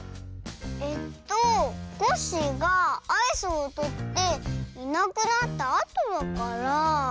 えっとコッシーがアイスをとっていなくなったあとだから。